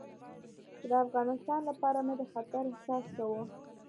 چې د افغانستان لپاره مې د خطر احساس کاوه.